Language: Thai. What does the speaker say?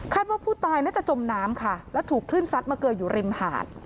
ว่าผู้ตายน่าจะจมน้ำค่ะแล้วถูกคลื่นซัดมาเกยอยู่ริมหาด